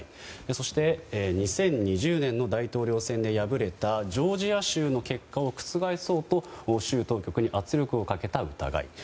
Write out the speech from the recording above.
そして２０２０年の大統領選で敗れたジョージア州の結果を覆そうと州当局に圧力をかけた疑い。